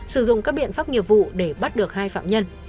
sử dụng các biện pháp nghiệp vụ để bắt được hai phạm nhân